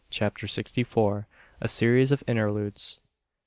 CHAPTER SIXTY FOUR. A SERIES OF INTERLUDES.